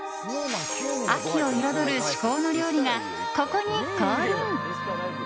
秋を彩る至高の料理がここに降臨。